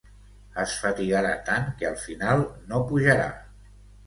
Es fatigarà tant que al final no pujarà.